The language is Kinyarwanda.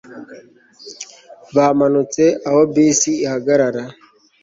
bamanutse aho bisi ihagarara